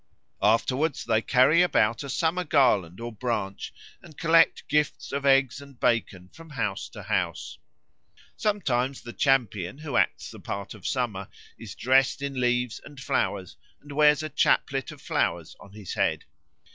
Afterwards they carry about a summer garland or branch and collect gifts of eggs and bacon from house to house. Sometimes the champion who acts the part of Summer is dressed in leaves and flowers and wears a chaplet of flowers on his head.